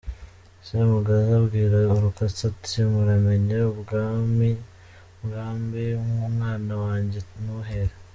Semugaza abwira Urukatsa ati: «Muramenye umwambi w’umwana wanjye ntuhere».